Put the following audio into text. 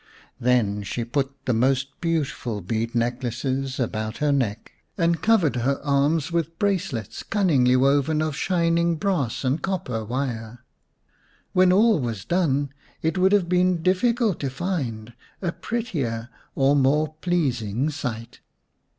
Then she put the most beauti ful bead necklaces about her neck, and covered her arms with bracelets cunningly woven of shin ing brass and copper wire. When all was done it would have been difficult to find a prettier or more pleasing sight.